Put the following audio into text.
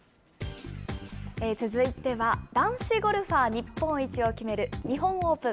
続いては男子ゴルファー日本一を決める日本オープン。